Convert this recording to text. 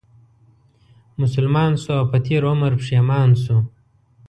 مسلمان شو او په تېر عمر پښېمان شو